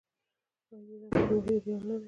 آیا د ایران پولي واحد ریال نه دی؟